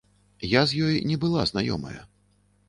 Я з ёй не была знаёмая.